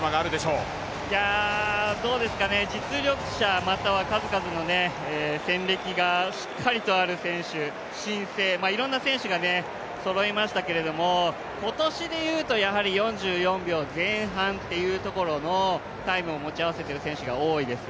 実力者または数々の戦歴がしっかりとある選手、新星、いろんな選手がそろいましたけれども、今年でいうと、やはり４４秒前半っていうところのタイムを持ち合わせてる選手が多いです。